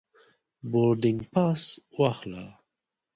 بوردینګ پاس واخله.